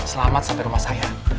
selamat sampai rumah saya